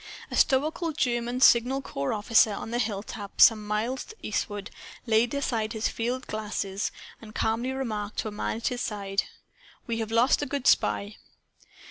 A stoical German signal corps officer, on a hilltop some miles to eastward, laid aside his field glass and calmly remarked to a man at his side "We have lost a good spy!"